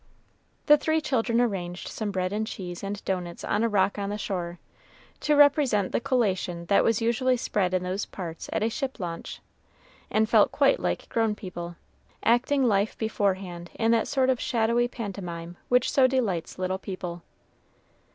The three children arranged some bread and cheese and doughnuts on a rock on the shore, to represent the collation that was usually spread in those parts at a ship launch, and felt quite like grown people acting life beforehand in that sort of shadowy pantomime which so delights little people.